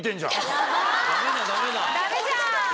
ダメじゃん。